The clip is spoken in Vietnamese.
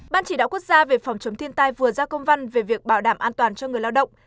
ban chỉ đạo quốc gia về phòng chống thiên tai vừa ra công văn về việc bảo đảm an toàn cho người lao động